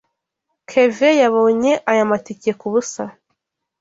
Kevin yabonye aya matike kubusa.